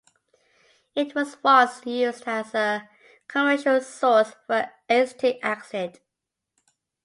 It was once used as a commercial source for acetic acid.